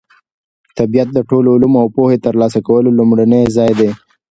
طبیعت د ټولو علومو او پوهې د ترلاسه کولو لومړنی ځای دی.